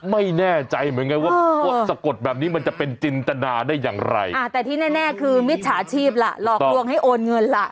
ไม่แน่ใจเหมือนกันว่าพวกสะกดแบบนี้มันจะเป็นจินตนาได้อย่างไรอ่าแต่ที่แน่คือมิจฉาชีพล่ะหลอกลวงให้โอนเงินล่ะ